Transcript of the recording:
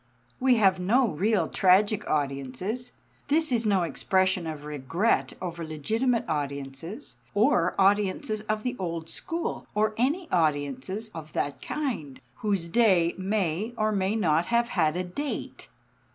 We have no real tragic audiences. This is no expression of regret over legitimate audiences, or audiences of the old school, or any audiences of that kind, whose day may or may not have had a date.